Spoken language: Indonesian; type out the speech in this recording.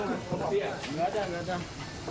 tidak ada tidak ada